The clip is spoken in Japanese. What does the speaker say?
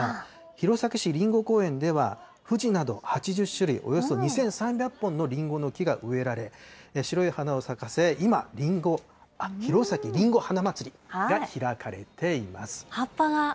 弘前市りんご公園では、ふじなど、８０種類、およそ２３００本のりんごの木が植えられ、白い花を咲かせ、今、弘前りんご花まつりが開かれています。